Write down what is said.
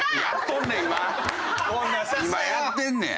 今やってんねん！